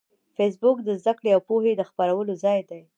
فېسبوک د زده کړې او پوهې د خپرولو ځای دی